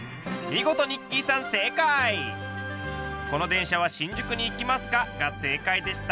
「この電車は新宿に行きますか？」が正解でした。